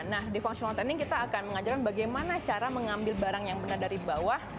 nah di functional training kita akan mengajarkan bagaimana cara mengambil barang yang benar dari bawah